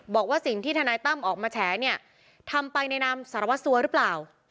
บอกว่าสิ่งที่ทนายตั้มออกมาแฉเนี่ยทำไปในนามสารวัสสัวหรือเปล่า